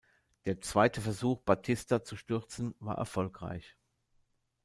Der zweite Versuch, Batista zu stürzen, war erfolgreich.